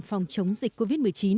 phòng chống dịch covid một mươi chín